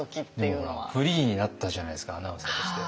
でもほらフリーになったじゃないですかアナウンサーとして。